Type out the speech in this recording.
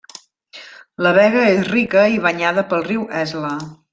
La vega és rica i banyada pel riu Esla.